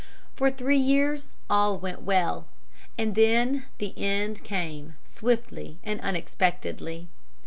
For three years all went well, and then the end came swiftly and unexpectedly.